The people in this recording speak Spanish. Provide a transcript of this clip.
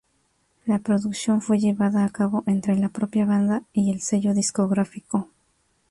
La producción fue llevada a cabo entre la propia banda y el sello discográfico.